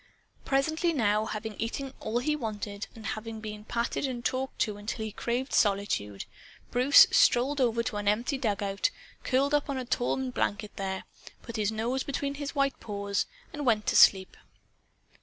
Presently, now, having eaten all he wanted and having been patted and talked to until he craved solitude, Bruce strolled ever to an empty dugout, curled up on a torn blanket there, put his nose between his white paws and went to sleep.